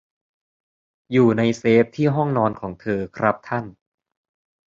อยู่ในเซฟที่ห้องนอนของเธอ ครับท่าน